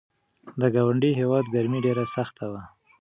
د ګاونډي هیواد ګرمي ډېره سخته وه.